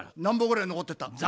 何ぼぐらい残ってた？